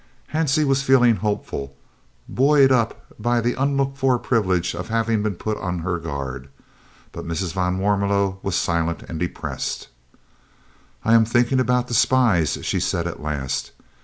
Hansie was feeling hopeful, buoyed up by the unlooked for privilege of having been put on her guard, but Mrs. van Warmelo was silent and depressed. "I am thinking about the spies," she said at last.